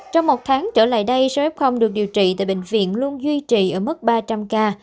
trong một tháng trở lại đây số f được điều trị tại bệnh viện luôn duy trì ở mức ba trăm linh ca